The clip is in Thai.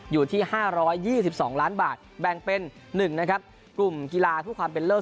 อยู่ที่๕๒๒ล้านบาทแบ่งเป็น๑กลุ่มกีฬาผู้ความเป็นเลิศ